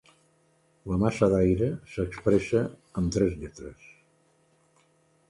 La massa d'aire s'expressa amb tres lletres.